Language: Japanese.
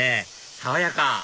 爽やか！